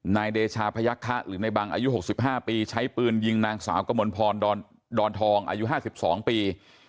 นายเดชาพยักษะหรือในบังอายุ๖๕ปีใช้ปืนยิงนางสาวกมลพรดอนทองอายุ๕๒ปี